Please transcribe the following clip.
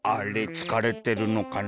つかれてるのかな？